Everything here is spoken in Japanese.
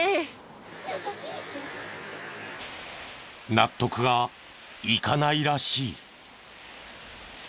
納得がいかないらしい。